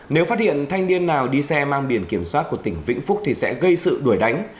nếu phát hiện thanh niên nào đi xe mang biển kiểm soát của tỉnh vĩnh phúc thì sẽ gây sự đuổi đánh